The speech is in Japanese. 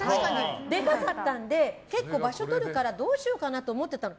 でかかったので結構場所とるからどうしようかなと思ってたの。